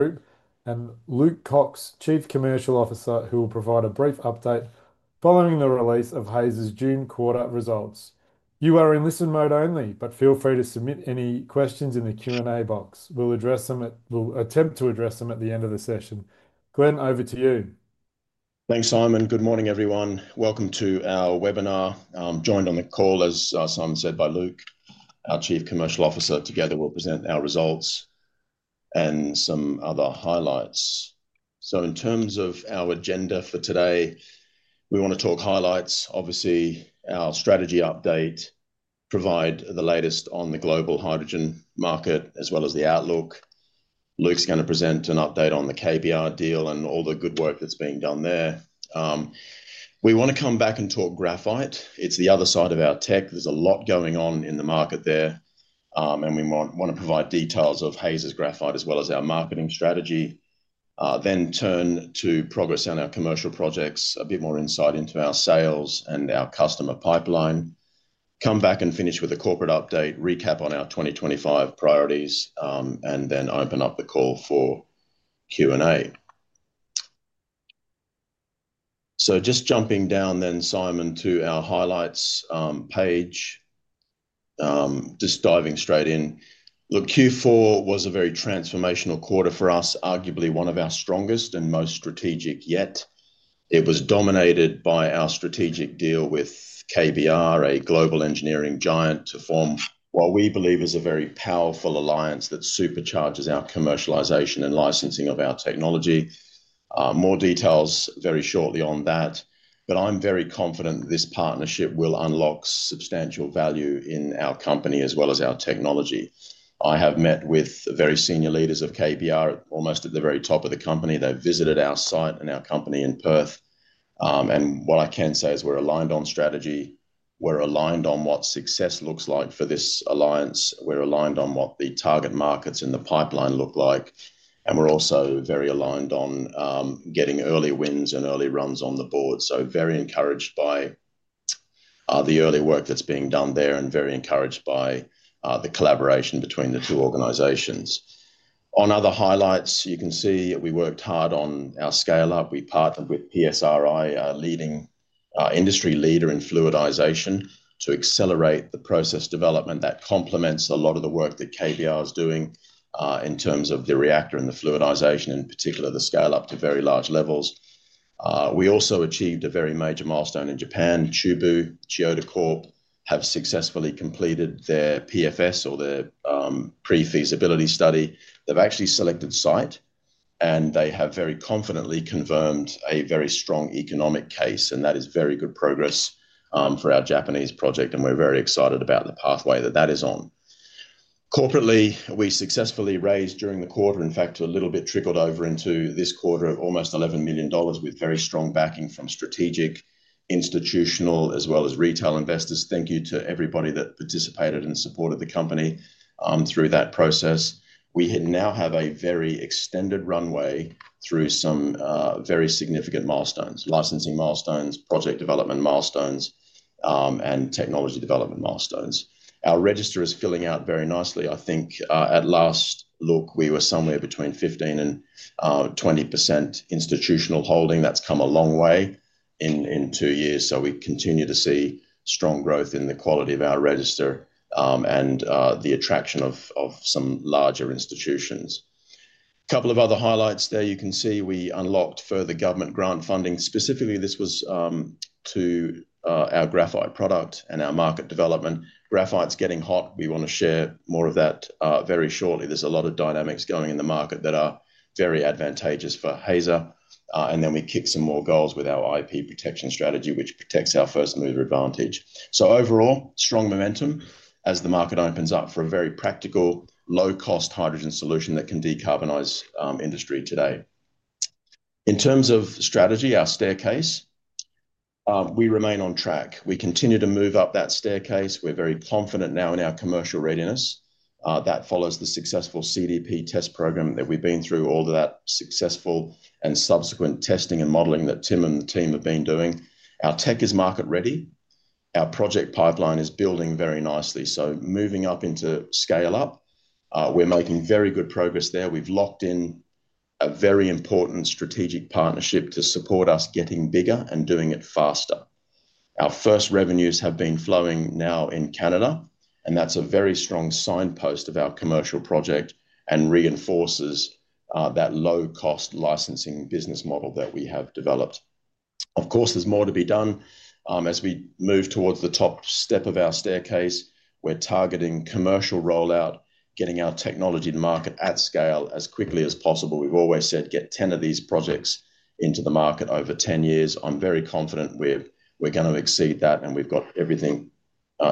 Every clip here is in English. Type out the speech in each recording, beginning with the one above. Group and Luc Kox, Chief Commercial Officer, who will provide a brief update following the release of Hazer's June quarter results. You are in listen-mode only, but feel free to submit any questions in the Q&A box. We'll attempt to address them at the end of the session. Glenn, over to you. Thanks, Simon. Good morning, everyone. Welcome to our webinar. I'm joined on the call, as Simon said, by Luc, our Chief Commercial Officer. Together, we'll present our results and some other highlights. In terms of our agenda for today, we want to talk highlights. Obviously, our strategy update provides the latest on the global hydrogen market, as well as the outlook. Luc's going to present an update on the KBR deal and all the good work that's being done there. We want to come back and talk graphite. It's the other side of our tech. There's a lot going on in the market there, and we want to provide details of Hazer's graphite, as well as our marketing strategy. We will then turn to progress on our commercial projects, a bit more insight into our sales and our customer pipeline. We will come back and finish with a corporate update, recap on our 2025 priorities, and then open up the call for Q&A. Just jumping down then, Simon, to our highlights page, just diving straight in. Q4 was a very transformational quarter for us, arguably one of our strongest and most strategic yet. It was dominated by our strategic deal with KBR, a global engineering giant, to form what we believe is a very powerful alliance that supercharges our commercialization and licensing of our technology. More details very shortly on that. I'm very confident that this partnership will unlock substantial value in our company, as well as our technology. I have met with very senior leaders of KBR, almost at the very top of the company. They've visited our site and our company in Perth. What I can say is we're aligned on strategy. We're aligned on what success looks like for this alliance. We're aligned on what the target markets in the pipeline look like. We're also very aligned on getting early wins and early runs on the board. I'm very encouraged by the early work that's being done there and very encouraged by the collaboration between the two organizations. On other highlights, you can see we worked hard on our scale-up. We partnered with PSRI, a leading industry leader in fluidization, to accelerate the process development that complements a lot of the work that KBR is doing in terms of the reactor and the fluidization, in particular the scale-up to very large levels. We also achieved a very major milestone in Japan. Chubu, Kyoto Corp, have successfully completed their PFS or their pre-feasibility study. They've actually selected site, and they have very confidently confirmed a very strong economic case, and that is very good progress for our Japanese project, and we're very excited about the pathway that that is on. Corporately, we successfully raised during the quarter, in fact, a little bit trickled over into this quarter of almost $11 million with very strong backing from strategic, institutional, as well as retail investors. Thank you to everybody that participated and supported the company through that process. We now have a very extended runway through some very significant milestones, licensing milestones, project development milestones, and technology development milestones. Our register is filling out very nicely. I think at last look, we were somewhere between 15% and 20% institutional holding. That's come a long way in two years. We continue to see strong growth in the quality of our register and the attraction of some larger institutions. A couple of other highlights there, you can see we unlocked further government grant funding. Specifically, this was to our graphite product and our market development. Graphite's getting hot. We want to share more of that very shortly. There's a lot of dynamics going in the market that are very advantageous for Hazer. We kick some more goals with our IP protection strategy, which protects our first mover advantage. Overall, strong momentum as the market opens up for a very practical, low-cost hydrogen solution that can decarbonize industry today. In terms of strategy, our staircase, we remain on track. We continue to move up that staircase. We're very confident now in our commercial readiness. That follows the successful CDP test program that we've been through, all of that successful and subsequent testing and modeling that Tim and the team have been doing. Our tech is market ready. Our project pipeline is building very nicely. Moving up into scale-up, we're making very good progress there. We've locked in a very important strategic partnership to support us getting bigger and doing it faster. Our first revenues have been flowing now in Canada, and that's a very strong signpost of our commercial project and reinforces that low-cost licensing business model that we have developed. Of course, there's more to be done as we move towards the top step of our staircase. We're targeting commercial rollout, getting our technology to market at scale as quickly as possible. We've always said get 10 of these projects into the market over 10 years. I'm very confident we're going to exceed that, and we've got everything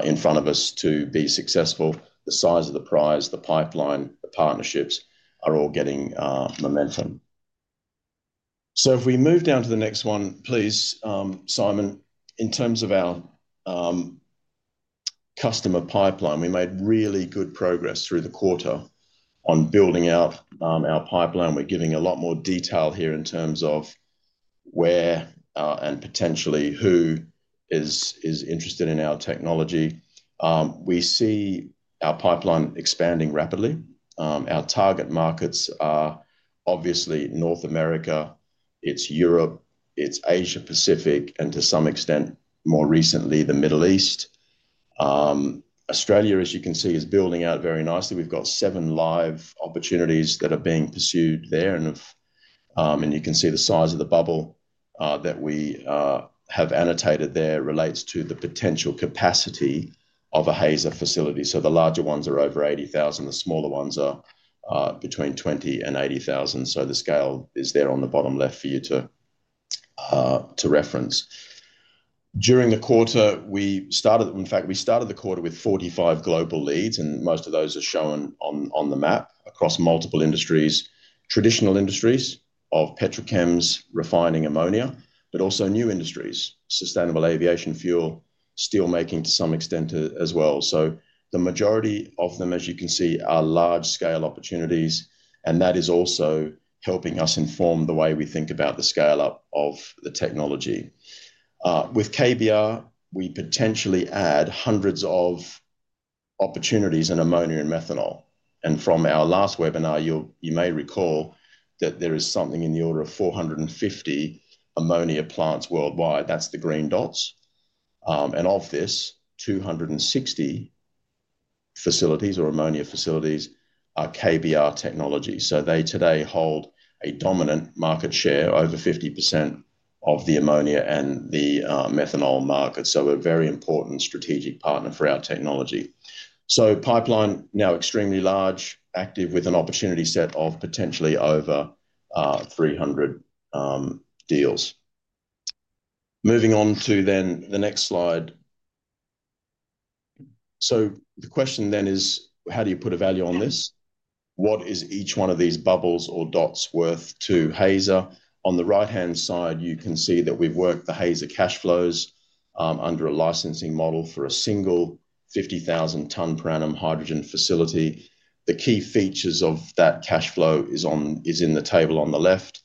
in front of us to be successful. The size of the prize, the pipeline, the partnerships are all getting momentum. If we move down to the next one, please, Simon, in terms of our customer pipeline, we made really good progress through the quarter on building out our pipeline. We're giving a lot more detail here in terms of where and potentially who is interested in our technology. We see our pipeline expanding rapidly. Our target markets are obviously North America, it's Europe, it's Asia-Pacific, and to some extent, more recently, the Middle East. Australia, as you can see, is building out very nicely. We've got seven live opportunities that are being pursued there. You can see the size of the bubble that we have annotated there relates to the potential capacity of a Hazer facility. The larger ones are over 80,000, the smaller ones are between 20,000 and 80,000. The scale is there on the bottom left for you to reference. During the quarter, we started, in fact, we started the quarter with 45 global leads, and most of those are shown on the map across multiple industries, traditional industries of petrochems, refining ammonia, but also new industries, sustainable aviation fuel, steelmaking to some extent as well. The majority of them, as you can see, are large-scale opportunities, and that is also helping us inform the way we think about the scale-up of the technology. With KBR, we potentially add hundreds of opportunities in ammonia and methanol. From our last webinar, you may recall that there is something in the order of 450 ammonia plants worldwide. That's the green dots. Of this, 260 facilities or ammonia facilities are KBR technology. They today hold a dominant market share, over 50% of the ammonia and the methanol market. A very important strategic partner for our technology. Pipeline now extremely large, active with an opportunity set of potentially over 300 deals. Moving on to the next slide. The question then is, how do you put a value on this? What is each one of these bubbles or dots worth to Hazer? On the right-hand side, you can see that we've worked the Hazer cash flows under a licensing model for a single 50,000-ton per annum hydrogen facility. The key features of that cash flow are on the table on the left.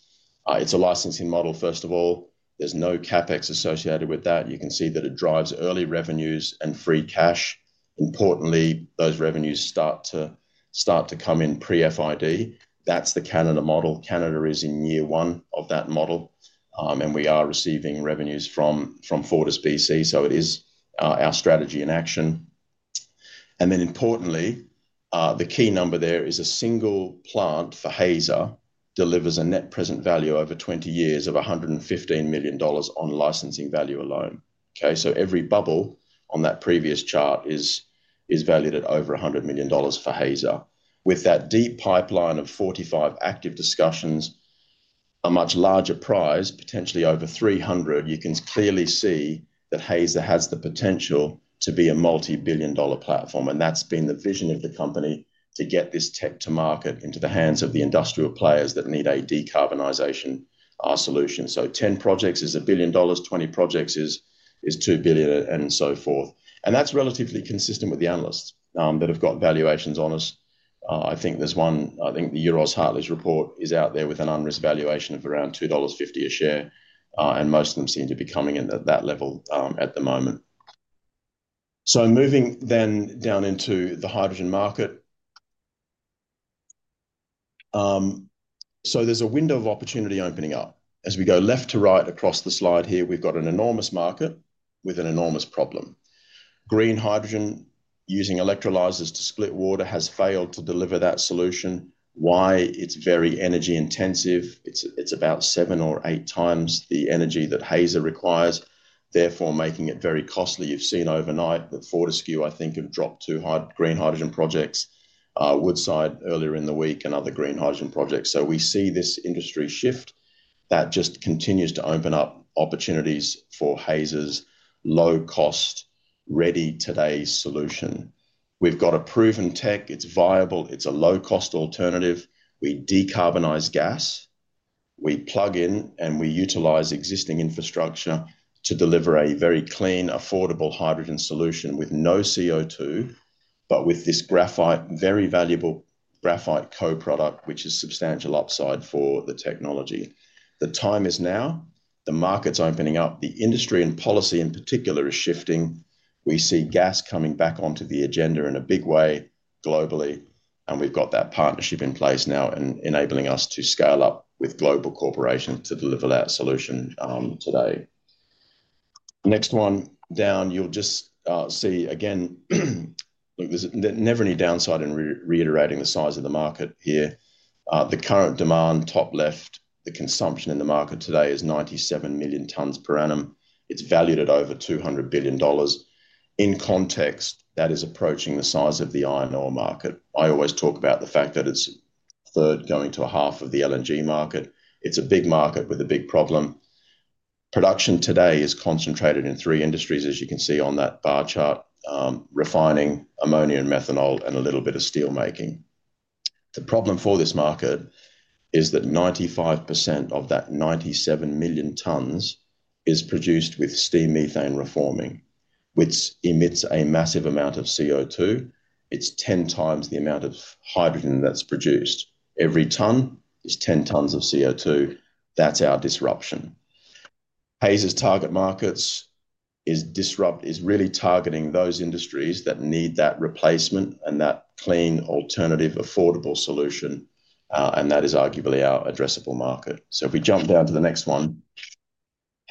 It's a licensing model, first of all. There's no CapEx associated with that. You can see that it drives early revenues and free cash. Importantly, those revenues start to come in pre-FID. That's the Canada model. Canada is in year one of that model, and we are receiving revenues from FortisBC. It is our strategy in action. Importantly, the key number there is a single plant for Hazer delivers a net present value over 20 years of $115 million on licensing value alone. Every bubble on that previous chart is valued at over $100 million for Hazer. With that deep pipeline of 45 active discussions, a much larger prize, potentially over 300, you can clearly see that Hazer has the potential to be a multi-billion dollar platform. That has been the vision of the company, to get this tech to market into the hands of the industrial players that need a decarbonization solution. Ten projects is $1 billion, 20 projects is $2 billion, and so forth. That is relatively consistent with the analysts that have got valuations on us. I think there's one, I think the Euroz Hartleys report is out there with an unrisked valuation of around $2.50 a share, and most of them seem to be coming in at that level at the moment. Moving then down into the hydrogen market, there's a window of opportunity opening up. As we go left to right across the slide here, we've got an enormous market with an enormous problem. Green hydrogen using electrolyzers to split water has failed to deliver that solution. Why? It's very energy intensive. It's about seven or eight times the energy that Hazer requires, therefore making it very costly. You've seen overnight that Fortescue, I think, have dropped two green hydrogen projects, Woodside earlier in the week, and other green hydrogen projects. We see this industry shift that just continues to open up opportunities for Hazer's low-cost, ready today solution. We've got a proven tech. It's viable. It's a low-cost alternative. We decarbonize gas, we plug in, and we utilize existing infrastructure to deliver a very clean, affordable hydrogen solution with no CO₂, but with this graphite, very valuable graphite co-product, which is substantial upside for the technology. The time is now. The market's opening up. The industry and policy in particular is shifting. We see gas coming back onto the agenda in a big way globally, and we've got that partnership in place now and enabling us to scale up with global corporations to deliver that solution today. Next one down, you'll just see again, look, there's never any downside in reiterating the size of the market here. The current demand top left, the consumption in the market today is 97 million tons per annum. It's valued at over $200 billion. In context, that is approaching the size of the iron ore market. I always talk about the fact that it's third going to a half of the LNG market. It's a big market with a big problem. Production today is concentrated in three industries, as you can see on that bar chart: refining, ammonia and methanol, and a little bit of steelmaking. The problem for this market is that 95% of that 97 million tons is produced with steam methane reforming, which emits a massive amount of CO₂. It's 10 times the amount of hydrogen that's produced. Every ton is 10 tons of CO₂. That's our disruption. Hazer's target market is really targeting those industries that need that replacement and that clean alternative affordable solution, and that is arguably our addressable market. If we jump down to the next one,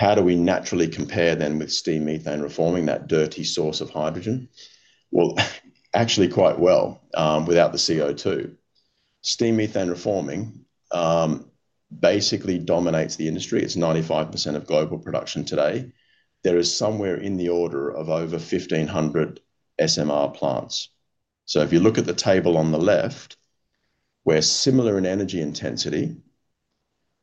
how do we naturally compare then with steam methane reforming, that dirty source of hydrogen? Actually, quite well without the CO₂. Steam methane reforming basically dominates the industry. It's 95% of global production today. There is somewhere in the order of over 1,500 SMR plants. If you look at the table on the left, we're similar in energy intensity.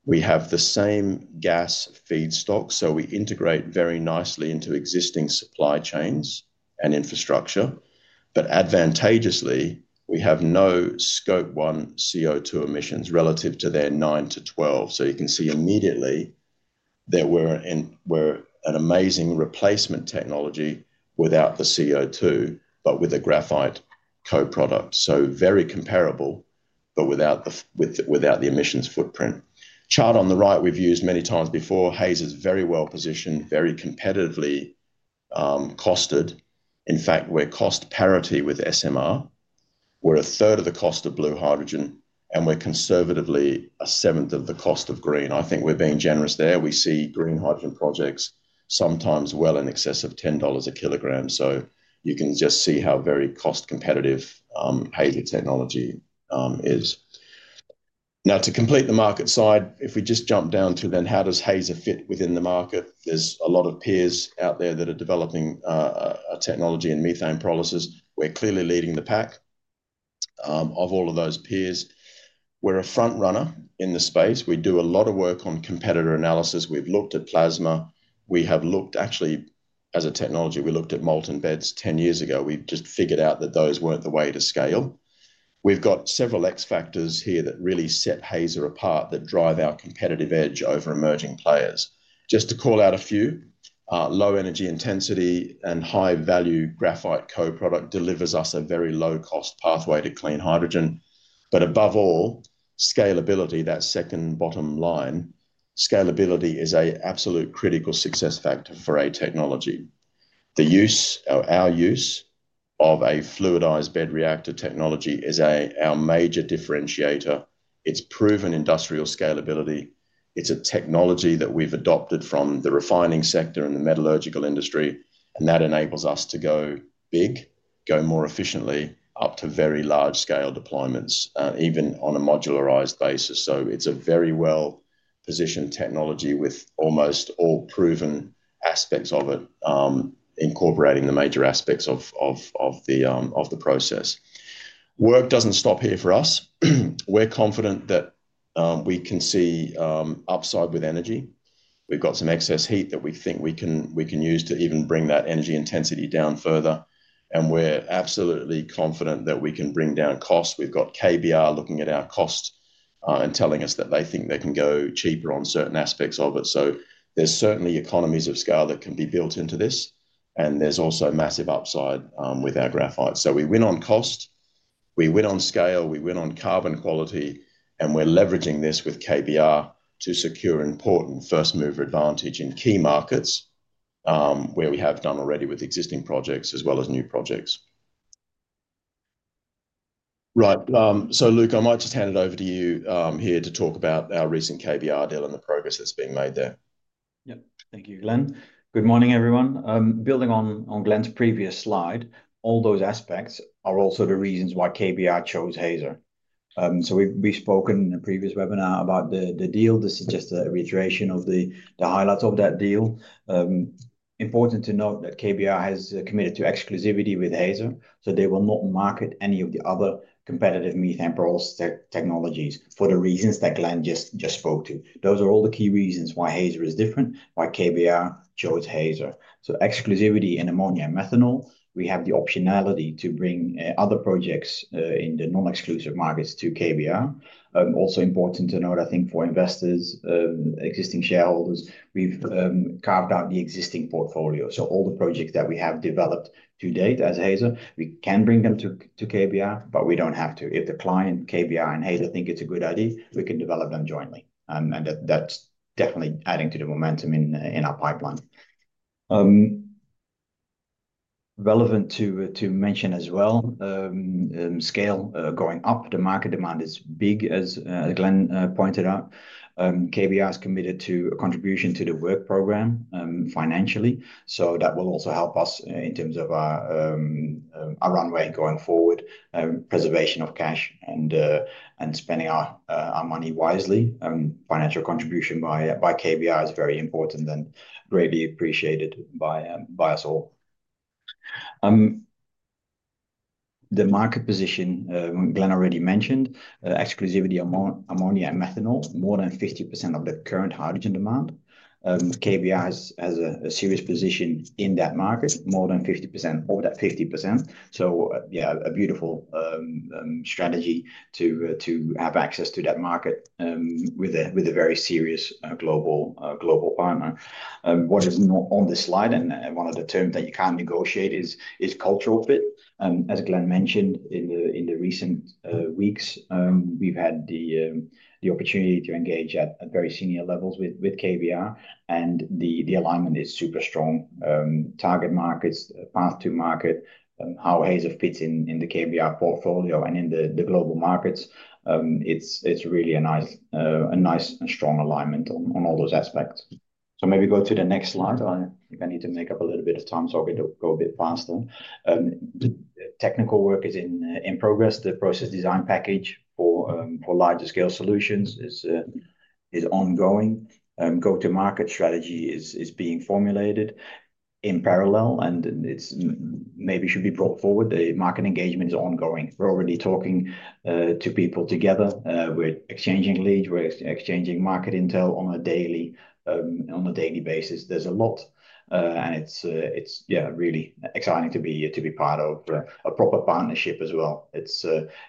We have the same gas feedstock, so we integrate very nicely into existing supply chains and infrastructure. Advantageously, we have no Scope one CO₂ emissions relative to their 9-12. You can see immediately that we're an amazing replacement technology without the CO₂, but with a graphite co-product. Very comparable, but without the emissions footprint. Chart on the right we've used many times before. Hazer's very well positioned, very competitively costed. In fact, we're cost parity with SMR. We're a third of the cost of blue hydrogen, and we're conservatively a seventh of the cost of green. I think we're being generous there. We see green hydrogen projects sometimes well in excess of $10 a kilogram. You can just see how very cost-competitive Hazer technology is. Now, to complete the market side, if we just jump down to then how does Hazer fit within the market? There's a lot of peers out there that are developing a technology in methane pyrolysis. We're clearly leading the pack of all of those peers. We're a front runner in the space. We do a lot of work on competitor analysis. We've looked at plasma. We have looked actually, as a technology, we looked at molten beds 10 years ago. We just figured out that those weren't the way to scale. We've got several X factors here that really set Hazer apart that drive our competitive edge over emerging players. Just to call out a few, low energy intensity and high value graphite co-product delivers us a very low cost pathway to clean hydrogen. Above all, scalability, that second bottom line, scalability is an absolute critical success factor for a technology. Our use of a fluidized bed reactor technology is our major differentiator. It's proven industrial scalability. It's a technology that we've adopted from the refining sector and the metallurgical industry, and that enables us to go big, go more efficiently up to very large scale deployments, even on a modularized basis. It's a very well positioned technology with almost all proven aspects of it, incorporating the major aspects of the process. Work doesn't stop here for us. We're confident that we can see upside with energy. We've got some excess heat that we think we can use to even bring that energy intensity down further. We're absolutely confident that we can bring down cost. We've got KBR looking at our cost and telling us that they think they can go cheaper on certain aspects of it. There are certainly economies of scale that can be built into this, and there's also massive upside with our graphite. We win on cost, we win on scale, we win on carbon quality, and we're leveraging this with KBR to secure important first mover advantage in key markets where we have done already with existing projects as well as new projects. Right. Luc, I might just hand it over to you here to talk about our recent KBR deal and the progress that's been made there. Thank you, Glenn. Good morning, everyone. Building on Glenn's previous slide, all those aspects are also the reasons why KBR chose Hazer. We've spoken in a previous webinar about the deal. This is just a reiteration of the highlights of that deal. Important to note that KBR has committed to exclusivity with Hazer, so they will not market any of the other competitive methane pyrolysis technologies for the reasons that Glenn just spoke to. Those are all the key reasons why Hazer is different, why KBR chose Hazer. Exclusivity in ammonia and methanol, we have the optionality to bring other projects in the non-exclusive markets to KBR. Also important to note, I think for investors, existing shareholders, we've carved out the existing portfolio. All the projects that we have developed to date as Hazer, we can bring them to KBR, but we don't have to. If the client, KBR, and Hazer think it's a good idea, we can develop them jointly. That's definitely adding to the momentum in our pipeline. Relevant to mention as well, scale going up, the market demand is big, as Glenn pointed out. KBR is committed to a contribution to the work program financially. That will also help us in terms of our runway going forward, preservation of cash, and spending our money wisely. Financial contribution by KBR is very important and greatly appreciated by us all. The market position, Glenn already mentioned, exclusivity ammonia and methanol, more than 50% of the current hydrogen demand. KBR has a serious position in that market, more than 50% of that 50%. A beautiful strategy to have access to that market with a very serious global partner. What is not on this slide, and one of the terms that you can't negotiate is cultural fit. As Glenn mentioned in the recent weeks, we've had the opportunity to engage at very senior levels with KBR, and the alignment is super strong. Target markets, path to market, and how Hazer fits in the KBR portfolio and in the global markets, it's really a nice and strong alignment on all those aspects. Maybe go to the next slide. If I need to make up a little bit of time, I can go a bit faster. Technical work is in progress. The process design package for larger scale solutions is ongoing. Go to market strategy is being formulated in parallel, and it maybe should be brought forward. The market engagement is ongoing. We're already talking to people together. We're exchanging leads. We're exchanging market intel on a daily basis. There's a lot, and it's, yeah, really exciting to be part of a proper partnership as well.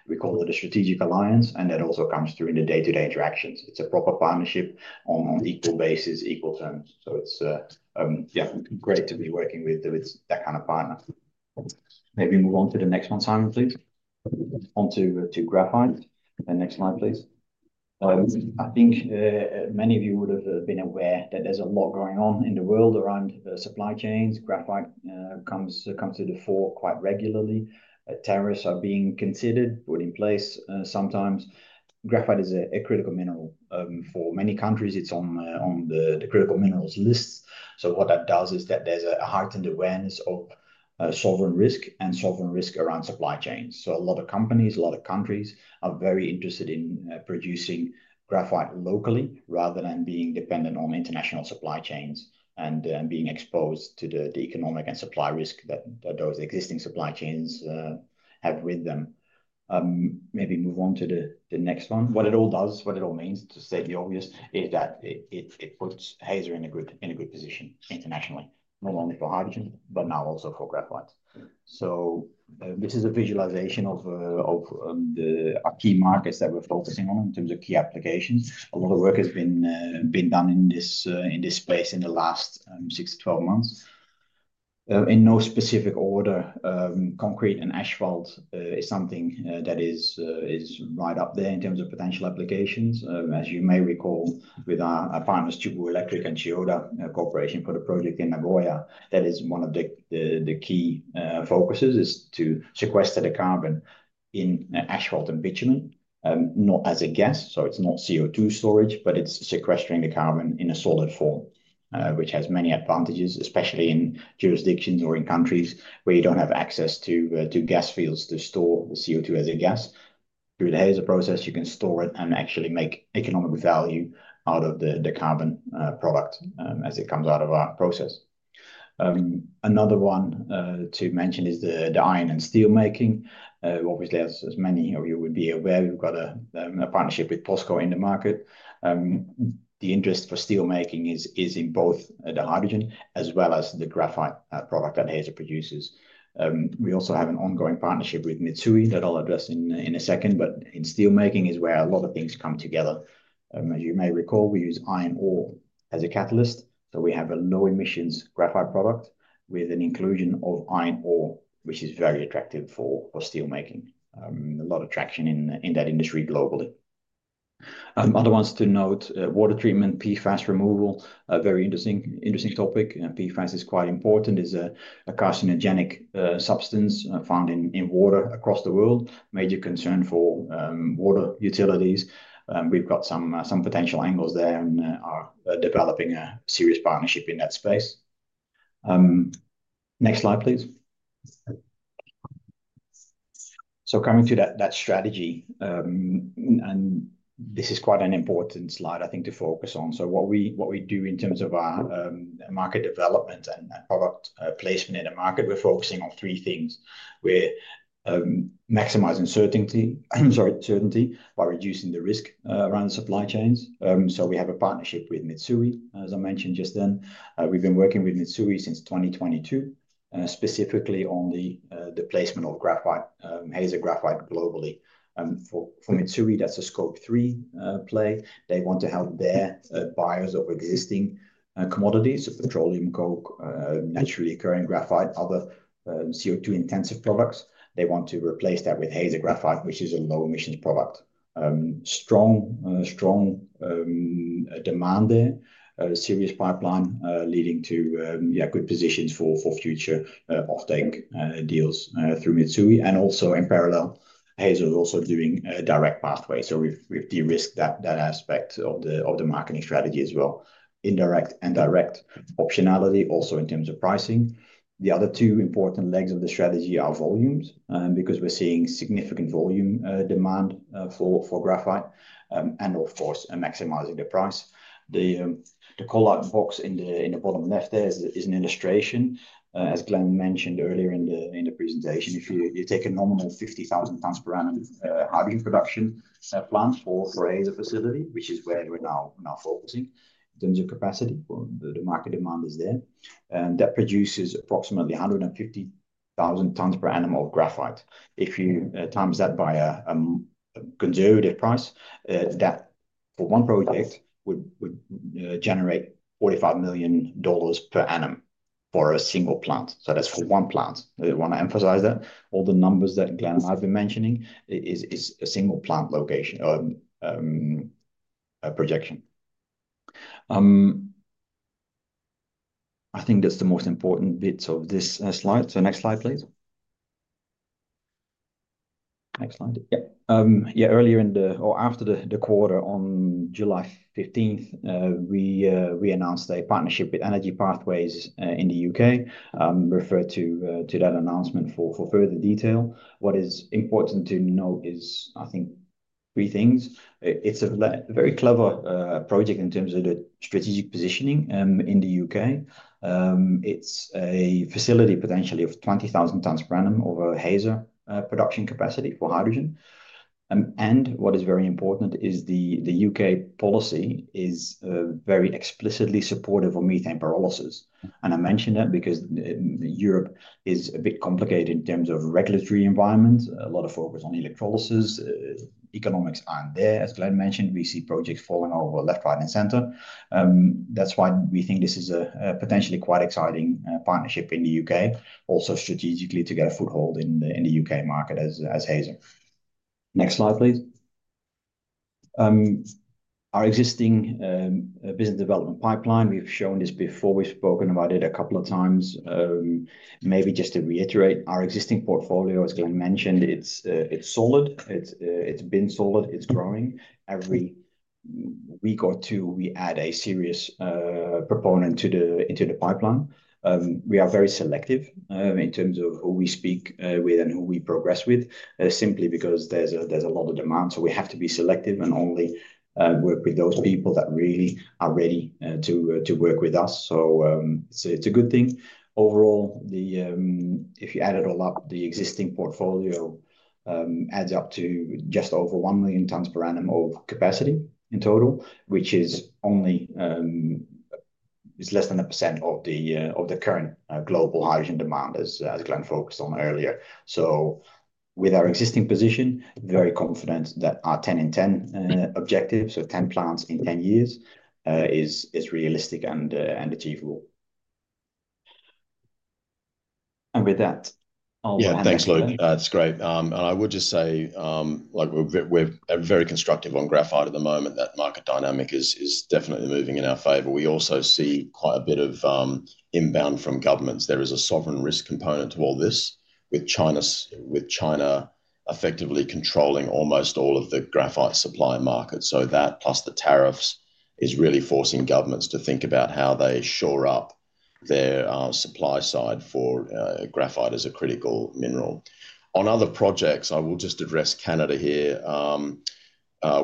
We call it a strategic alliance, and that also comes through in the day-to-day interactions. It's a proper partnership on equal basis, equal terms. It's, yeah, great to be working with that kind of partner. Maybe move on to the next one, Simon, please. On to graphite. The next slide, please. I think many of you would have been aware that there's a lot going on in the world around supply chains. Graphite comes to the fore quite regularly. Tariffs are being considered, put in place sometimes. Graphite is a critical mineral for many countries. It's on the critical minerals lists. What that does is that there's a heightened awareness of sovereign risk and sovereign risk around supply chains. A lot of companies, a lot of countries are very interested in producing graphite locally rather than being dependent on international supply chains and being exposed to the economic and supply risk that those existing supply chains have with them. Maybe move on to the next one. What it all does, what it all means, to state the obvious, is that it puts Hazer in a good position internationally, not only for hydrogen, but now also for graphite. This is a visualization of the key markets that we're focusing on in terms of key applications. A lot of work has been done in this space in the last 6 to 12 months. In no specific order, concrete and asphalt is something that is right up there in terms of potential applications. As you may recall, with our partners Chubu Electric and Kyoto Corporation for the project in Nagoya, that is one of the key focuses is to sequester the carbon in asphalt and bitumen, not as a gas. It's not CO₂ storage, but it's sequestering the carbon in a solid form, which has many advantages, especially in jurisdictions or in countries where you don't have access to gas fields to store CO₂ as a gas. Through the Hazer process, you can store it and actually make economic value out of the carbon product as it comes out of our process. Another one to mention is the iron and steel making. Obviously, as many of you would be aware, we've got a partnership with Posco in the market. The interest for steel making is in both the hydrogen as well as the graphite product that Hazer produces. We also have an ongoing partnership with Mitsui that I'll address in a second, but in steel making is where a lot of things come together. As you may recall, we use iron ore as a catalyst. We have a low emissions graphite product with an inclusion of iron ore, which is very attractive for steel making. There is a lot of traction in that industry globally. Other ones to note are water treatment and PFAS removal, a very interesting topic. PFAS is quite important. It's a carcinogenic substance found in water across the world, a major concern for water utilities. We've got some potential angles there and are developing a serious partnership in that space. Next slide, please. Coming to that strategy, this is quite an important slide to focus on. What we do in terms of our market development and product placement in the market, we're focusing on three things. We're maximizing certainty by reducing the risk around supply chains. We have a partnership with Mitsui, as I mentioned just then. We've been working with Mitsui since 2022, specifically on the placement of graphite, Hazer graphite globally. For Mitsui, that's a Scope 3 play. They want to help their buyers of existing commodities, so petroleum, coke, naturally occurring graphite, other CO₂ intensive products. They want to replace that with Hazer graphite, which is a low emissions product. There is strong demand there, a serious pipeline leading to good positions for future off-take deals through Mitsui. In parallel, Hazer is also doing a direct pathway. We've de-risked that aspect of the marketing strategy as well. Indirect and direct optionality, also in terms of pricing. The other two important legs of the strategy are volumes, because we're seeing significant volume demand for graphite, and of course, maximizing the price. The call-out box in the bottom left there is an illustration. As Glenn mentioned earlier in the presentation, if you take a nominal 50,000 tons per annum hydrogen production plant for a facility, which is where we're now focusing in terms of capacity, the market demand is there. That produces approximately 150,000 tons per annum of graphite. If you times that by a conservative price, that for one project would generate $45 million per annum for a single plant. That's for one plant. I want to emphasize that. All the numbers that Glenn and I have been mentioning is a single plant location projection. I think that's the most important bits of this slide. Next slide, please. Next slide. Earlier in the or after the quarter on July 15, we announced a partnership with EnergyPathways in the U.K.. Refer to that announcement for further detail. What is important to note is, I think, three things. It's a very clever project in terms of the strategic positioning in the U.K. It's a facility potentially of 20,000 tons per annum of a Hazer production capacity for hydrogen. What is very important is the U.K. policy is very explicitly supportive of methane pyrolysis. I mention that because Europe is a bit complicated in terms of regulatory environments. A lot of focus on electrolysis. Economics aren't there. As Glenn mentioned, we see projects falling over left, right, and center. That's why we think this is a potentially quite exciting partnership in the U.K., also strategically to get a foothold in the U.K. market as Hazer. Next slide, please. Our existing business development pipeline, we've shown this before. We've spoken about it a couple of times. Maybe just to reiterate, our existing portfolio, as Glenn mentioned, it's solid. It's been solid. It's growing. Every week or two, we add a serious proponent into the pipeline. We are very selective in terms of who we speak with and who we progress with, simply because there's a lot of demand. We have to be selective and only work with those people that really are ready to work with us. It's a good thing. Overall, if you add it all up, the existing portfolio adds up to just over 1 million tons per annum of capacity in total, which is less than 1% of the current global hydrogen demand, as Glenn focused on earlier. With our existing position, very confident that our 10 in 10 objective, so 10 plants in 10 years, is realistic and achievable. With that, I'll hand it over. Yeah, thanks, Luc. That's great. I would just say, like we're very constructive on graphite at the moment. That market dynamic is definitely moving in our favor. We also see quite a bit of inbound from governments. There is a sovereign risk component to all this, with China effectively controlling almost all of the graphite supply market. That plus the tariffs is really forcing governments to think about how they shore up their supply side for graphite as a critical mineral. On other projects, I will just address Canada here.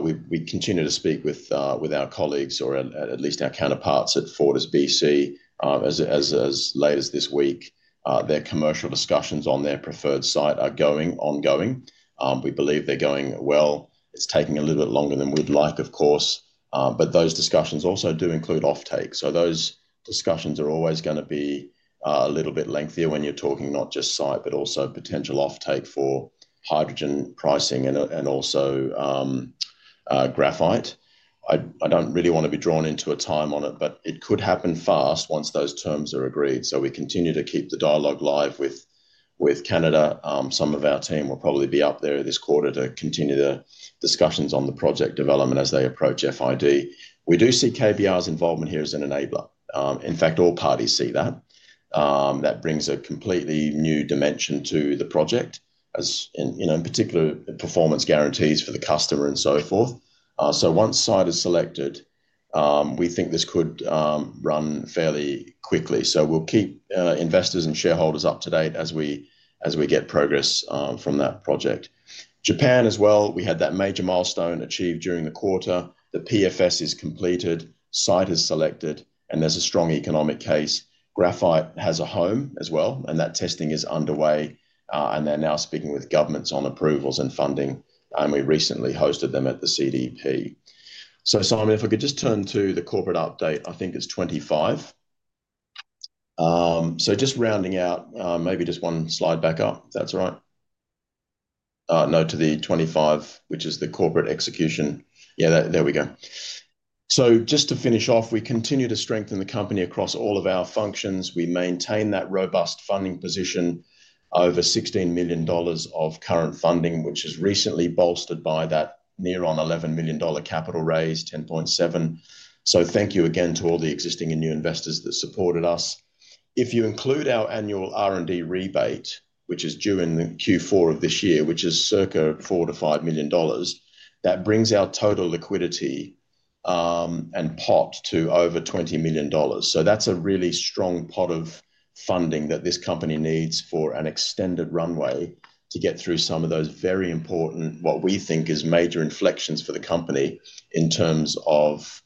We continue to speak with our colleagues, or at least our counterparts at FortisBC, as late as this week. Their commercial discussions on their preferred site are ongoing. We believe they're going well. It's taking a little bit longer than we'd like, of course, but those discussions also do include off-take. Those discussions are always going to be a little bit lengthier when you're talking not just site, but also potential off-take for hydrogen pricing and also graphite. I don't really want to be drawn into a time on it, but it could happen fast once those terms are agreed. We continue to keep the dialogue live with Canada. Some of our team will probably be up there this quarter to continue the discussions on the project development as they approach FID. We do see KBR's involvement here as an enabler. In fact, all parties see that. That brings a completely new dimension to the project, in particular performance guarantees for the customer and so forth. Once site is selected, we think this could run fairly quickly. We'll keep investors and shareholders up to date as we get progress from that project. Japan as well, we had that major milestone achieved during the quarter. The PFS is completed, site is selected, and there's a strong economic case. Graphite has a home as well, and that testing is underway, and they're now speaking with governments on approvals and funding. Only recently hosted them at the CDP. Simon, if I could just turn to the corporate update, I think it's 25. Just rounding out, maybe just one slide back up, if that's all right. No, to the 25, which is the corporate execution. Yeah, there we go. Just to finish off, we continue to strengthen the company across all of our functions. We maintain that robust funding position, over $16 million of current funding, which is recently bolstered by that [Niron] $11 million capital raise, $10.7 million. Thank you again to all the existing and new investors that supported us. If you include our annual R&D rebate, which is due in Q4 of this year, which is circa $4 million-$5 million, that brings our total liquidity and pot to over $20 million. That's a really strong pot of funding that this company needs for an extended runway to get through some of those very important, what we think is major inflections for the company in terms of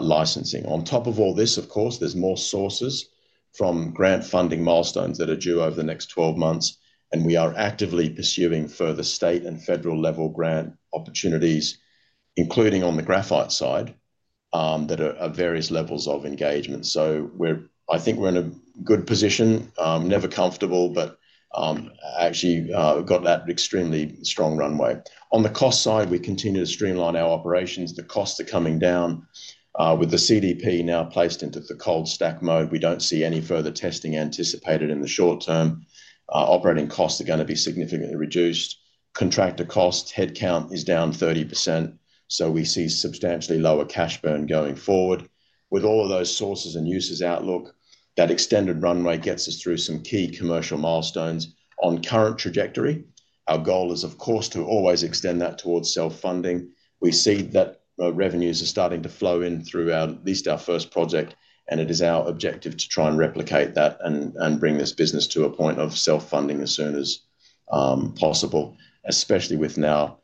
licensing. On top of all this, of course, there are more sources from grant funding milestones that are due over the next 12 months, and we are actively pursuing further state and federal level grant opportunities, including on the graphite side, that are at various levels of engagement. I think we're in a good position, never comfortable, but actually got that extremely strong runway. On the cost side, we continue to streamline our operations. The costs are coming down. With the commercial demonstration unit now placed into the cold stack mode, we don't see any further testing anticipated in the short term. Operating costs are going to be significantly reduced. Contractor cost headcount is down 30%. We see substantially lower cash burn going forward. With all of those sources and uses outlook, that extended runway gets us through some key commercial milestones on current trajectory. Our goal is, of course, to always extend that towards self-funding. We see that revenues are starting to flow in through at least our first project, and it is our objective to try and replicate that and bring this business to a point of self-funding as soon as possible, especially with now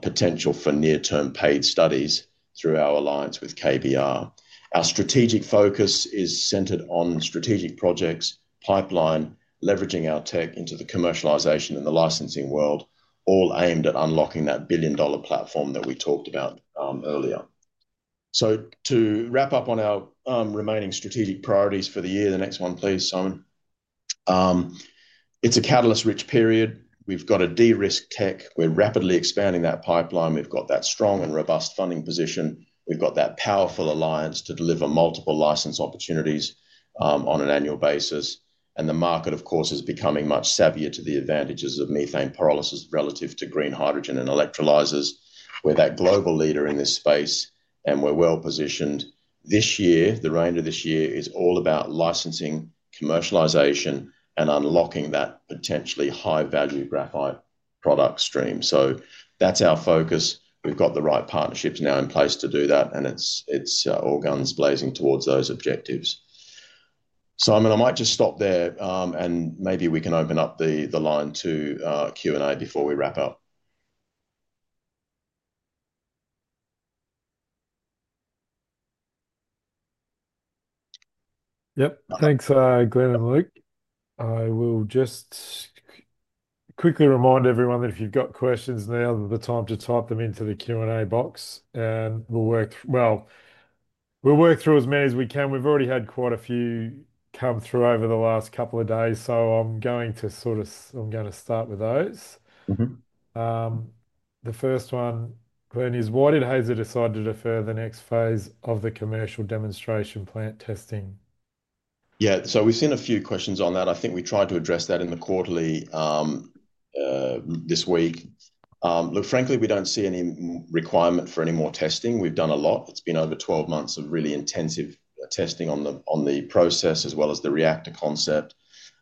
potential for near-term paid studies through our alliance with KBR. Our strategic focus is centered on strategic projects, pipeline, leveraging our tech into the commercialization and the licensing world, all aimed at unlocking that billion dollar platform that we talked about earlier. To wrap up on our remaining strategic priorities for the year, the next one, please, Simon. It's a catalyst-rich period. We've got a de-risked tech. We're rapidly expanding that pipeline. We've got that strong and robust funding position. We've got that powerful alliance to deliver multiple license opportunities on an annual basis. The market, of course, is becoming much savvier to the advantages of methane pyrolysis relative to green hydrogen and electrolysis. We're that global leader in this space, and we're well positioned. This year, the theme of this year is all about licensing, commercialization, and unlocking that potentially high-value graphite product stream. That's our focus. We've got the right partnerships now in place to do that, and it's all guns blazing towards those objectives. Simon, I might just stop there, and maybe we can open up the line to Q&A before we wrap up. Yep. Thanks, Glenn and Luc. I will just quickly remind everyone that if you've got questions now, the time to type them into the Q&A box, and we'll work through as many as we can. We've already had quite a few come through over the last couple of days, so I'm going to start with those. The first one, Glenn, is why did Hazer decide to defer the next phase of the commercial demonstration plant testing? Yeah, so we've seen a few questions on that. I think we tried to address that in the quarterly this week. Look, frankly, we don't see any requirement for any more testing. We've done a lot. It's been over 12 months of really intensive testing on the process as well as the reactor concept.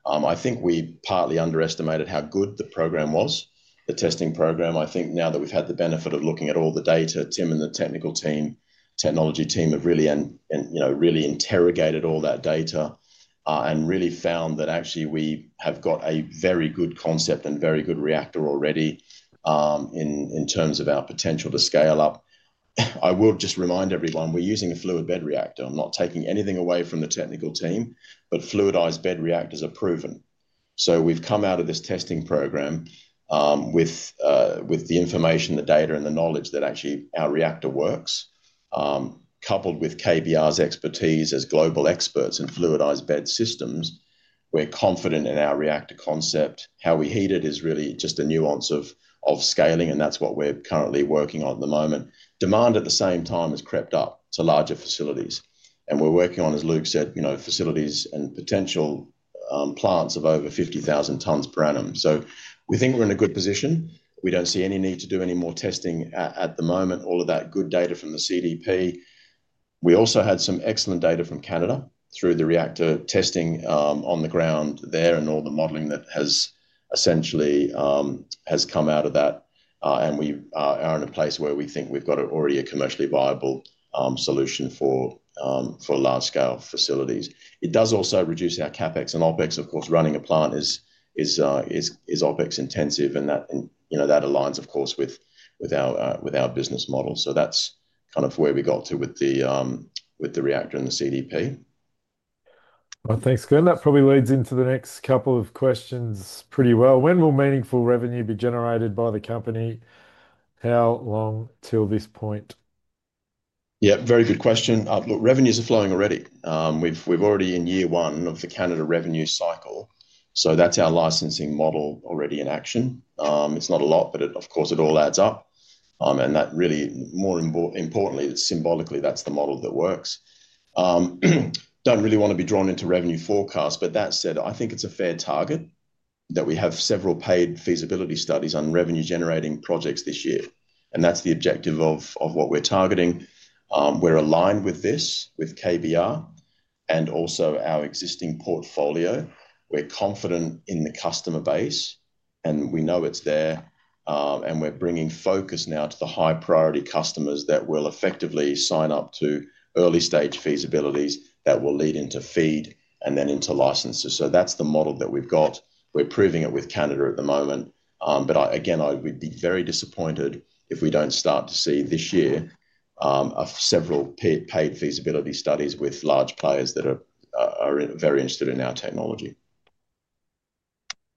I think we partly underestimated how good the program was, the testing program. I think now that we've had the benefit of looking at all the data, Tim and the technical team, technology team have really interrogated all that data and really found that actually we have got a very good concept and very good reactor already in terms of our potential to scale up. I will just remind everyone, we're using a fluidized bed reactor. I'm not taking anything away from the technical team, but fluidized bed reactors are proven. We've come out of this testing program with the information, the data, and the knowledge that actually our reactor works. Coupled with KBR's expertise as global experts in fluidized bed systems, we're confident in our reactor concept. How we heat it is really just a nuance of scaling, and that's what we're currently working on at the moment. Demand at the same time has crept up to larger facilities, and we're working on, as Luc said, facilities and potential plants of over 50,000 tons per annum. We think we're in a good position. We don't see any need to do any more testing at the moment. All of that good data from the commercial demonstration unit. We also had some excellent data from Canada through the reactor testing on the ground there and all the modeling that has essentially come out of that, and we are in a place where we think we've got already a commercially viable solution for large-scale facilities. It does also reduce our CapEx and OpEx. Of course, running a plant is OpEx intensive, and that aligns, of course, with our business model. That's kind of where we got to with the reactor and the commercial demonstration unit. Thanks, Glenn. That probably leads into the next couple of questions pretty well. When will meaningful revenue be generated by the company? How long till this point? Yeah, very good question. Look, revenues are flowing already. We're already in year one of the Canada revenue cycle, so that's our licensing model already in action. It's not a lot, but of course it all adds up, and that really, more importantly, symbolically, that's the model that works. I don't really want to be drawn into revenue forecasts, but that said, I think it's a fair target that we have several paid feasibility studies on revenue-generating projects this year, and that's the objective of what we're targeting. We're aligned with this, with KBR, and also our existing portfolio. We're confident in the customer base, and we know it's there, and we're bringing focus now to the high-priority customers that will effectively sign up to early-stage feasibilities that will lead into FEED and then into licenses. That's the model that we've got. We're proving it with Canada at the moment, but again, I would be very disappointed if we don't start to see this year several paid feasibility studies with large players that are very interested in our technology.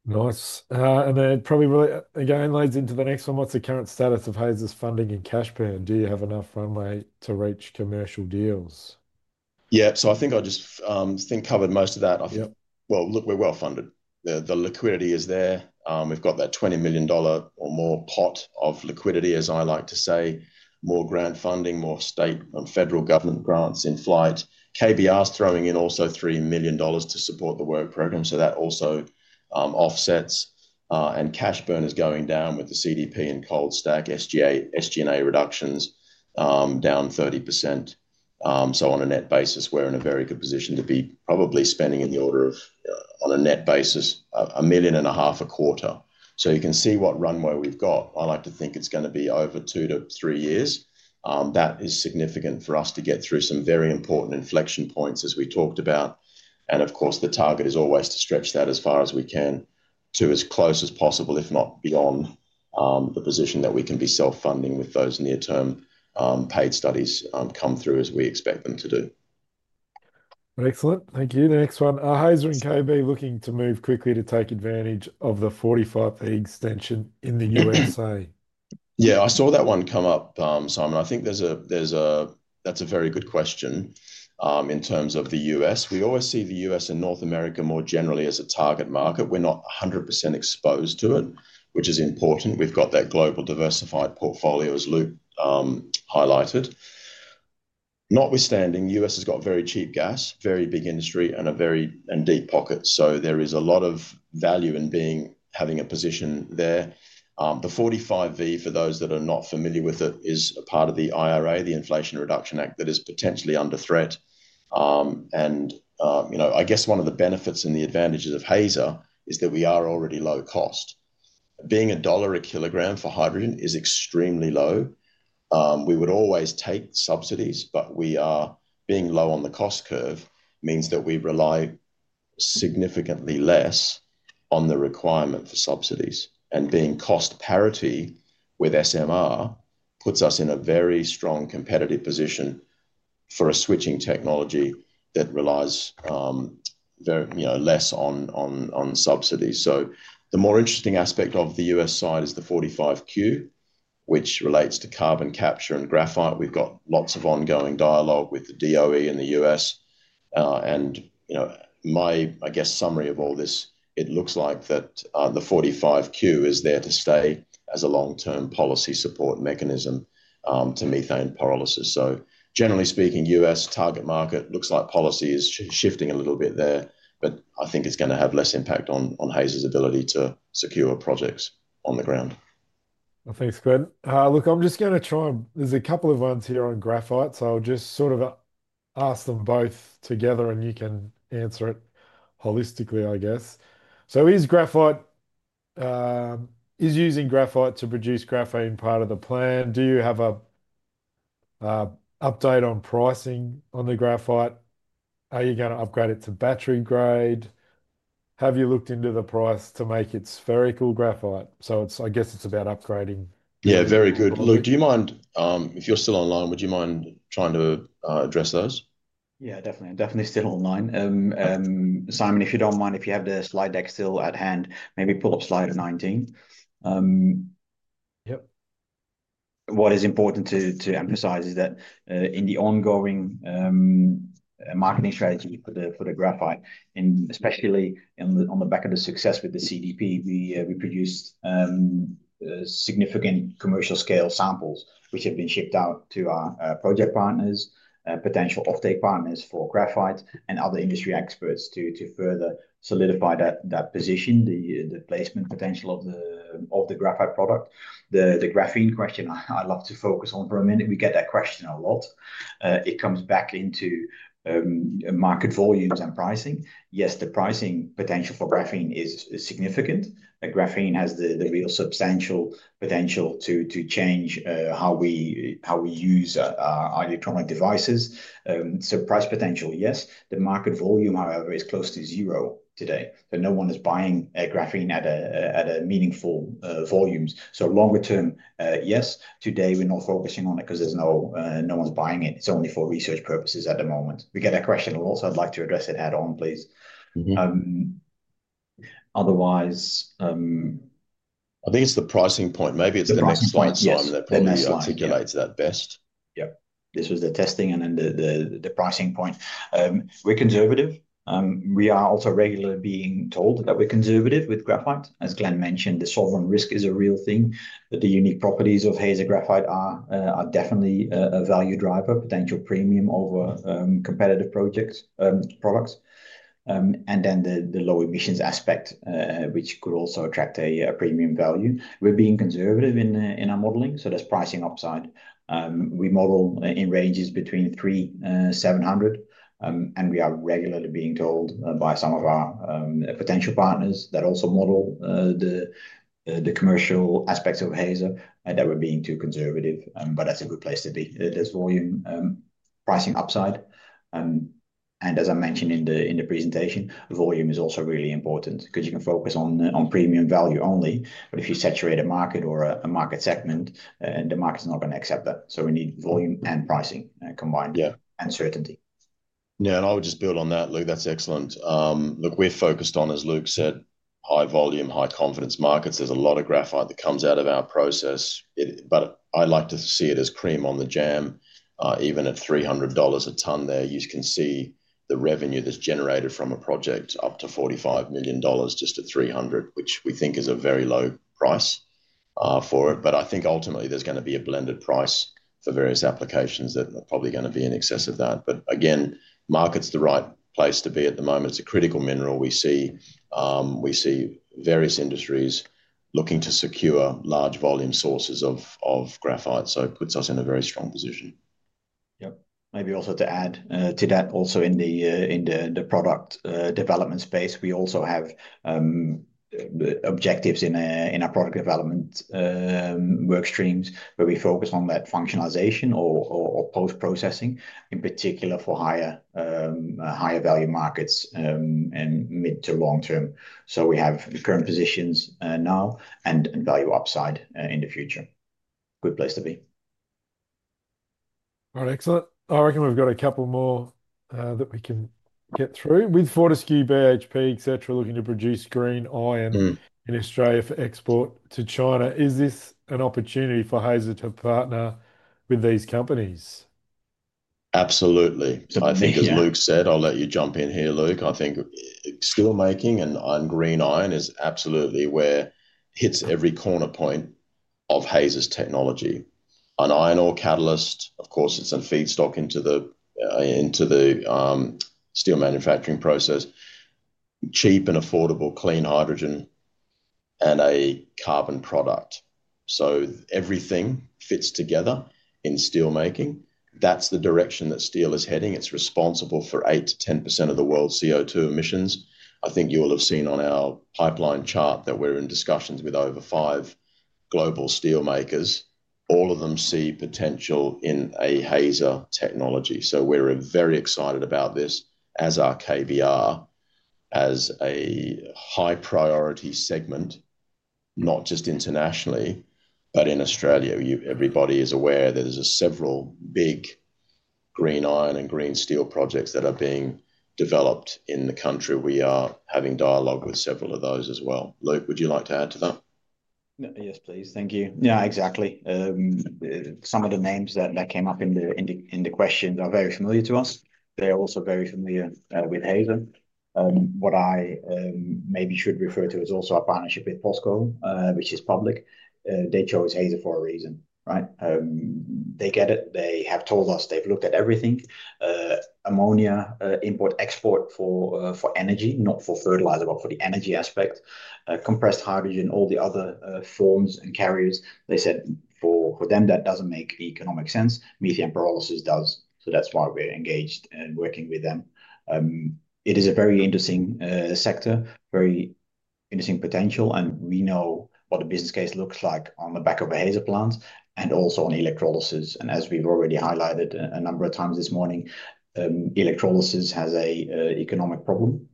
Nice. That probably really again leads into the next one. What's the current status of Hazer's funding and cash plan? Do you have enough funding to reach commercial deals? I think I just covered most of that. Look, we're well funded. The liquidity is there. We've got that $20 million or more pot of liquidity, as I like to say. More grant funding, more state and federal government grants in flight. KBR is throwing in also $3 million to support the work program, so that also offsets, and cash burn is going down with the CDP and cold stack SG&A reductions down 30%. On a net basis, we're in a very good position to be probably spending in the order of, on a net basis, $1.5 million a quarter. You can see what runway we've got. I like to think it's going to be over two to three years. That is significant for us to get through some very important inflection points, as we talked about, and of course the target is always to stretch that as far as we can to as close as possible, if not beyond the position that we can be self-funding with those near-term paid studies come through as we expect them to do. Excellent. Thank you. The next one. Are Hazer and KBR looking to move quickly to take advantage of the 45P extension in the U.S.? Yeah, I saw that one come up, Simon. I think that's a very good question in terms of the U.S. We always see the U.S. and North America more generally as a target market. We're not 100% exposed to it, which is important. We've got that global diversified portfolio, as Luc highlighted. Notwithstanding, the U.S. has got very cheap gas, very big industry, and a very deep pocket. There is a lot of value in having a position there. The 45V, for those that are not familiar with it, is a part of the IRA, the Inflation Reduction Act, that is potentially under threat. I guess one of the benefits and the advantages of Hazer is that we are already low cost. Being $1 a kilogram for hydrogen is extremely low. We would always take subsidies, but being low on the cost curve means that we rely significantly less on the requirement for subsidies, and being cost parity with steam methane reforming puts us in a very strong competitive position for a switching technology that relies less on subsidies. The more interesting aspect of the U.S. side is the 45Q, which relates to carbon capture and graphite. We've got lots of ongoing dialogue with the DOE in the U.S. My summary of all this, it looks like that the 45Q is there to stay as a long-term policy support mechanism to methane pyrolysis. Generally speaking, U.S. target market looks like policy is shifting a little bit there, but I think it's going to have less impact on Hazer's ability to secure projects on the ground. Thanks, Glenn. Look, I'm just going to try. There's a couple of ones here on graphite, so I'll just sort of ask them both together, and you can answer it holistically, I guess. Is using graphite to produce graphane part of the plan? Do you have an update on pricing on the graphite? Are you going to upgrade it to battery grade? Have you looked into the price to make it spherical graphite? I guess it's about upgrading. Yeah, very good. Luc, do you mind, if you're still online, would you mind trying to address those? Yeah, definitely. I'm definitely still online. Simon, if you don't mind, if you have the slide deck still at hand, maybe pull up slide 19. Yep. What is important to emphasize is that in the ongoing marketing strategy for the graphite, and especially on the back of the success with the CDP, we produced significant commercial scale samples, which have been shipped out to our project partners, potential off-take partners for graphite, and other industry experts to further solidify that position, the placement potential of the graphite product. The graphene question I'd love to focus on for a minute, we get that question a lot. It comes back into market volumes and pricing. Yes, the pricing potential for graphene is significant. Graphene has the real substantial potential to change how we use our electronic devices. Price potential, yes. The market volume, however, is close to zero today. No one is buying graphene at meaningful volumes. Longer term, yes. Today, we're not focusing on it because no one's buying it. It's only for research purposes at the moment. We get that question a lot. I'd like to address it head-on, please. Otherwise. I think it's the pricing point. Maybe it's the next slide, Simon, that probably articulates that best. Yeah. This was the testing and then the pricing point. We're conservative. We are also regularly being told that we're conservative with graphite. As Glenn mentioned, the sovereign risk is a real thing. The unique properties of Hazer graphite are definitely a value driver, potential premium over competitive projects and products. The low emissions aspect could also attract a premium value. We're being conservative in our modeling, so that's pricing upside. We model in ranges between $300 and $700, and we are regularly being told by some of our potential partners that also model the commercial aspects of Hazer that we're being too conservative. That's a good place to be. There's volume pricing upside. As I mentioned in the presentation, volume is also really important because you can focus on premium value only. If you saturate a market or a market segment, the market's not going to accept that. We need volume and pricing combined and certainty. Yeah, and I would just build on that, Luc. That's excellent. Look, we're focused on, as Luc said, high volume, high confidence markets. There's a lot of graphite that comes out of our process, but I like to see it as cream on the jam. Even at $300 a ton, you can see the revenue that's generated from a project up to $45 million just at $300, which we think is a very low price for it. I think ultimately there's going to be a blended price for various applications that are probably going to be in excess of that. Market's the right place to be at the moment. It's a critical mineral. We see various industries looking to secure large volume sources of graphite. It puts us in a very strong position. Maybe also to add to that, also in the product development space, we also have objectives in our product development workstreams where we focus on that functionalization or post-processing, in particular for higher value markets and mid to long term. We have current positions now and value upside in the future. Good place to be. All right, excellent. I reckon we've got a couple more that we can get through. With FortisBC, KBR, Hazer Group, etc., looking to produce green iron in Australia for export to China, is this an opportunity for Hazer to partner with these companies? Absolutely. I think, as Luc said, I'll let you jump in here, Luc. I think steelmaking and green iron is absolutely where it hits every corner point of Hazer's technology. An iron ore catalyst, of course, it's a feedstock into the steel manufacturing process. Cheap and affordable clean hydrogen and a carbon product. Everything fits together in steelmaking. That's the direction that steel is heading. It's responsible for 8%-10% of the world's CO₂ emissions. I think you will have seen on our pipeline chart that we're in discussions with over five global steelmakers. All of them see potential in a Hazer technology. We're very excited about this as are KBR, as a high priority segment, not just internationally, but in Australia. Everybody is aware that there's several big green iron and green steel projects that are being developed in the country. We are having dialogue with several of those as well. Luc, would you like to add to that? Yes, please. Thank you. Yeah, exactly. Some of the names that came up in the questions are very familiar to us. They're also very familiar with Hazer. What I maybe should refer to is also our partnership with Posco, which is public. They chose Hazer for a reason, right? They get it. They have told us they've looked at everything. Ammonia import-export for energy, not for fertilizer, but for the energy aspect. Compressed hydrogen, all the other forms and carriers. They said for them that doesn't make economic sense. Methane pyrolysis does. That's why we're engaged and working with them. It is a very interesting sector, very interesting potential, and we know what the business case looks like on the back of a Hazer plant and also on electrolysis. As we've already highlighted a number of times this morning, electrolysis has an economic problem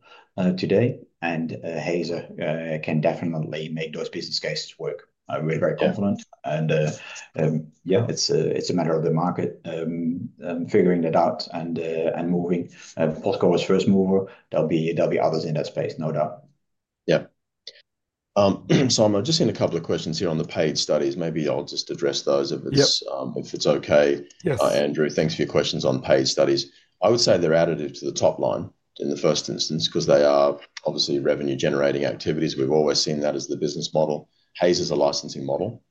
today, and Hazer can definitely make those business cases work. We're very confident. Yeah, it's a matter of the market figuring that out and moving. Posco is first mover. There'll be others in that space, no doubt. Yeah. Simon, I've just seen a couple of questions here on the paid studies. Maybe I'll just address those if it's okay. Andrew, thanks for your questions on paid studies. I would say they're additive to the top line in the first instance because they are obviously revenue-generating activities. We've always seen that as the business model. Hazer's a licensing model.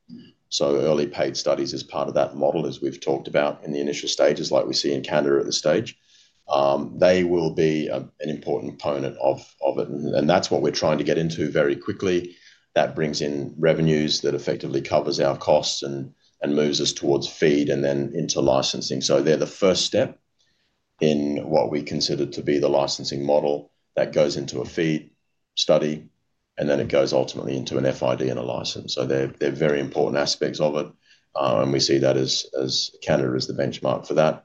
Early paid studies as part of that model, as we've talked about in the initial stages, like we see in Canada at this stage, they will be an important component of it. That's what we're trying to get into very quickly. That brings in revenues that effectively covers our costs and moves us towards feed and then into licensing. They're the first step in what we consider to be the licensing model that goes into a feed study, and then it goes ultimately into an FID and a license. They're very important aspects of it, and we see that as Canada is the benchmark for that.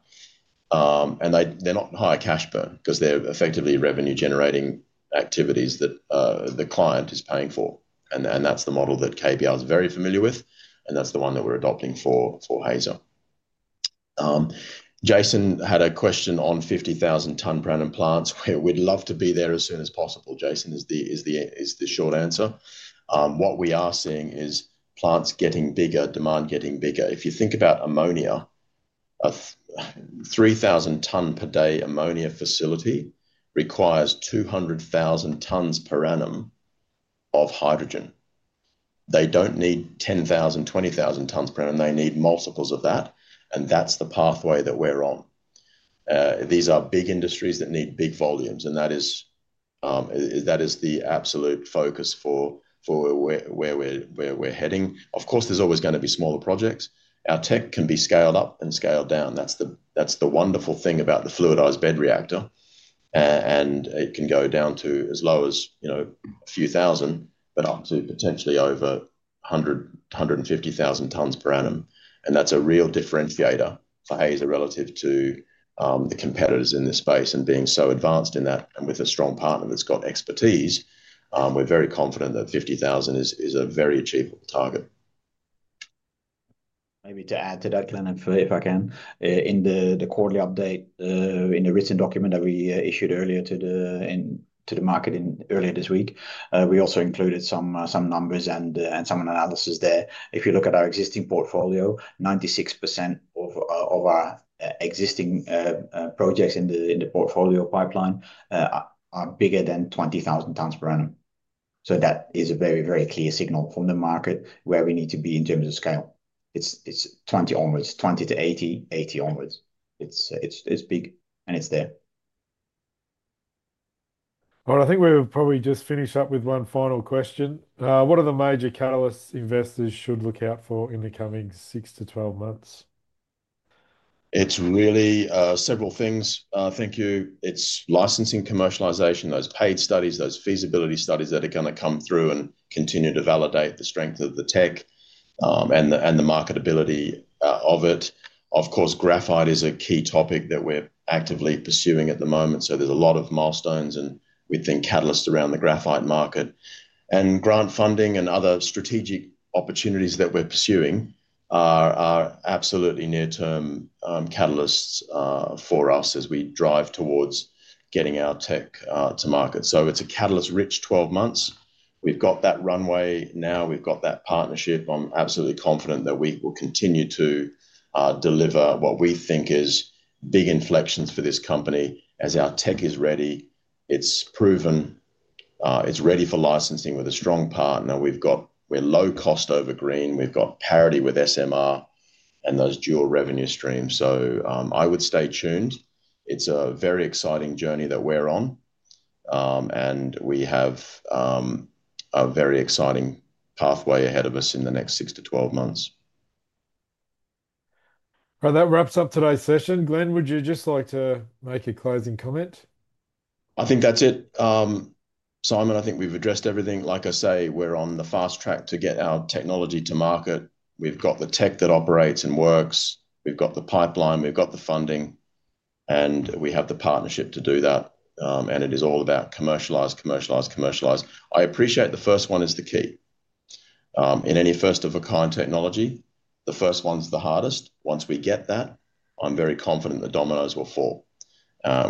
They're not high cash burn because they're effectively revenue-generating activities that the client is paying for. That's the model that KBR is very familiar with, and that's the one that we're adopting for Hazer. Jason had a question on 50,000-ton per annum plants. We'd love to be there as soon as possible, Jason, is the short answer. What we are seeing is plants getting bigger, demand getting bigger. If you think about ammonia, a 3,000-ton per day ammonia facility requires 200,000 tons per annum of hydrogen. They don't need 10,000 tons, 20,000 tons per annum. They need multiples of that, and that's the pathway that we're on. These are big industries that need big volumes, and that is the absolute focus for where we're heading. Of course, there's always going to be smaller projects. Our tech can be scaled up and scaled down. That's the wonderful thing about the fluidized bed reactor, and it can go down to as low as a few thousand, but up to potentially over 100,000 tons, 150,000 tons per annum. That's a real differentiator for Hazer relative to the competitors in this space and being so advanced in that and with a strong partner that's got expertise. We're very confident that 50,000 tons is a very achievable target. Maybe to add to that, Glenn, if I can, in the quarterly update, in a recent document that we issued to the market earlier this week, we also included some numbers and some analysis there. If you look at our existing portfolio, 96% of our existing projects in the portfolio pipeline are bigger than 20,000 tons per annum. That is a very, very clear signal from the market where we need to be in terms of scale. It's 20,000 tons onwards, 20,000 tons-80,000 tons, 80,000 tons onwards. It's big and it's there. All right, I think we'll probably just finish up with one final question. What are the major catalysts investors should look out for in the coming 6 months-12 months? It's really several things. Thank you. It's licensing, commercialization, those paid studies, those feasibility studies that are going to come through and continue to validate the strength of the tech and the marketability of it. Of course, graphite is a key topic that we're actively pursuing at the moment. There are a lot of milestones and we think catalysts around the graphite market and grant funding and other strategic opportunities that we're pursuing are absolutely near-term catalysts for us as we drive towards getting our tech to market. It's a catalyst-rich 12 months. We've got that runway now. We've got that partnership. I'm absolutely confident that we will continue to deliver what we think is big inflections for this company as our tech is ready. It's proven. It's ready for licensing with a strong partner. We're low cost over green. We've got parity with SMR and those dual revenue streams. I would stay tuned. It's a very exciting journey that we're on, and we have a very exciting pathway ahead of us in the next 6 to 12 months. That wraps up today's session. Glenn, would you just like to make a closing comment? I think that's it. Simon, I think we've addressed everything. Like I say, we're on the fast track to get our technology to market. We've got the tech that operates and works. We've got the pipeline. We've got the funding, and we have the partnership to do that. It is all about commercialize, commercialize, commercialize. I appreciate the first one is the key. In any first-of-a-kind technology, the first one's the hardest. Once we get that, I'm very confident the dominoes will fall.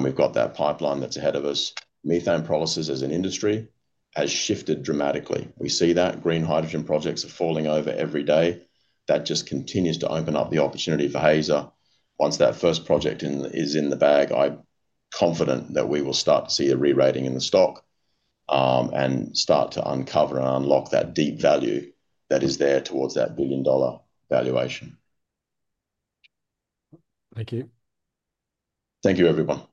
We've got that pipeline that's ahead of us. Methane pyrolysis as an industry has shifted dramatically. We see that. Green hydrogen projects are falling over every day. That just continues to open up the opportunity for Hazer. Once that first project is in the bag, I'm confident that we will start to see a re-rating in the stock and start to uncover and unlock that deep value that is there towards that billion-dollar valuation. Thank you. Thank you, everyone. Thank you.